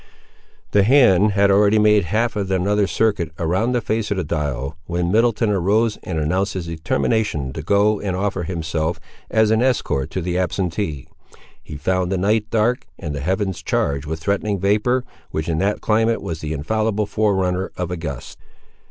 The hand had already made half of another circuit, around the face of the dial, when Middleton arose and announced his determination to go and offer himself, as an escort to the absentee. He found the night dark, and the heavens charged with threatening vapour, which in that climate was the infallible forerunner of a gust.